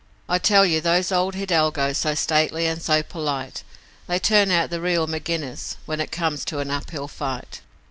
I tell you those old hidalgos so stately and so polite, They turn out the real Maginnis when it comes to an uphill fight.